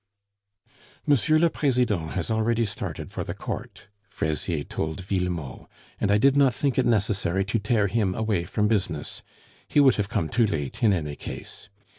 "M. le President had already started for the Court." Fraisier told Villemot, "and I did not think it necessary to tear him away from business; he would have come too late, in any case.